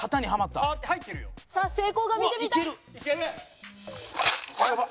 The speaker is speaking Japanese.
さあ成功が見てみたい。